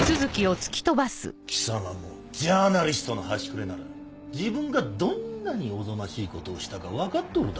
貴様もジャーナリストの端くれなら自分がどんなにおぞましいことをしたか分かっとる